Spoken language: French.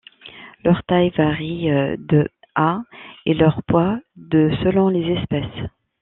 Leur taille varie de à et leur poids de selon les espèces.